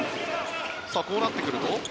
こうなってくると。